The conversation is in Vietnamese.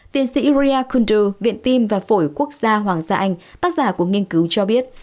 tiến sĩ ria kunder viện tim và phổi quốc gia hoàng gia anh tác giả của nghiên cứu cho biết